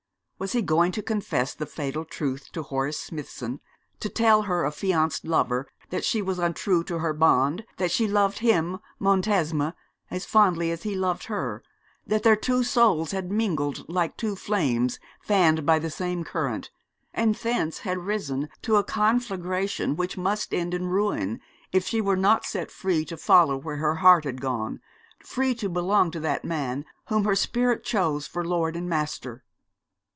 Was he going to confess the fatal truth to Horace Smithson, to tell her affianced lover that she was untrue to her bond, that she loved him, Montesma, as fondly as he loved her, that their two souls had mingled like two flames fanned by the same current, and thence had risen to a conflagration which must end in ruin, if she were not set free to follow where her heart had gone, free to belong to that man whom her spirit chose for lord and master.